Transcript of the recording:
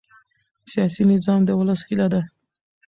سیاسي نظام د ولس هیله ده